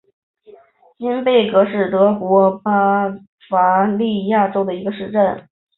金贝格是德国巴伐利亚州的一个市镇。